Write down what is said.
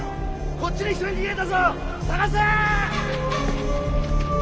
・こっちに１人逃げたぞ捜せ！